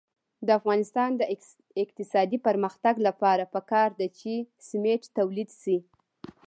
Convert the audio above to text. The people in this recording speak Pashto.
د افغانستان د اقتصادي پرمختګ لپاره پکار ده چې سمنټ تولید شي.